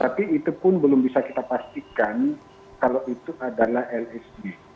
tapi itu pun belum bisa kita pastikan kalau itu adalah lsg